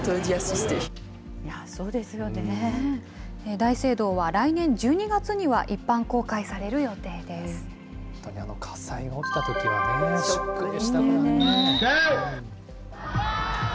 大聖堂は来年１２月には一般本当にあの火災が起きたときはね、ショックでしたけどね。